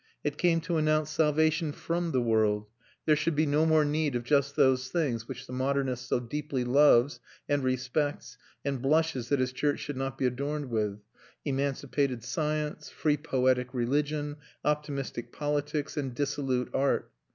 It came to announce salvation from the world; there should be no more need of just those things which the modernist so deeply loves and respects and blushes that his church should not be adorned with emancipated science, free poetic religion, optimistic politics, and dissolute art.